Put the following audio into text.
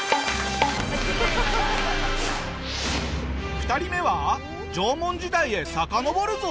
２人目は縄文時代へさかのぼるぞ！